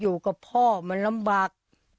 อยู่กับพ่อมันลำบาก